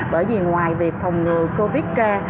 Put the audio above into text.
bởi vì ngoài việc phòng covid ra